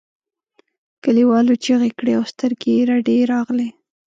کليوالو چیغې کړې او سترګې یې رډې راغلې.